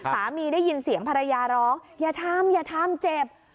สามีได้ยินเสียงภรรยาร้องอย่าทำอย่าทำเจ็บ